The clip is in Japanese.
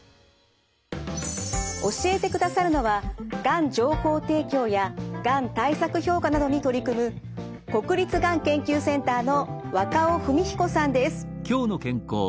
教えてくださるのはがん情報提供やがん対策評価などに取り組む国立がん研究センターの若尾文彦さんです。